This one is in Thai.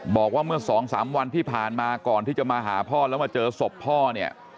บอกว่าเมื่อสองสามวันที่ผ่านมาก่อนที่จะมาหาพ่อแล้วมาเจอศพพ่อเนี่ย